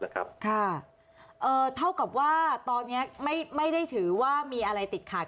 เท่ากับว่าตอนนี้ไม่ได้ถือว่ามีอะไรติดขัด